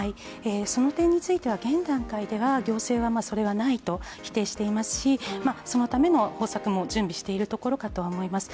その点については現段階では行政はそれはないと否定していますしそのための方策も準備しているところかとは思います。